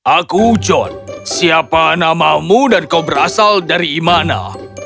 aku john siapa namamu dan kau berasal dari mana